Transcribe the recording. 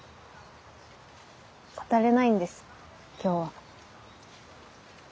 語れないんです今日は。